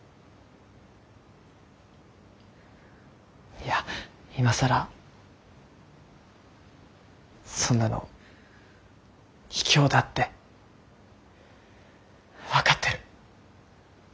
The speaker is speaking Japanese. いや今更そんなのひきょうだって分かってる。